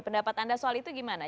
pendapat anda soal itu gimana